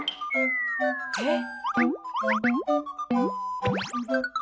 えっ？